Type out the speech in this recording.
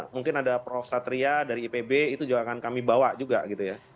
mungkin ada prof satria dari ipb itu juga akan kami bawa juga gitu ya